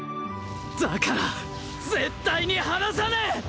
だから絶対に離さねえ！